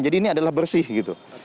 jadi ini adalah bersih gitu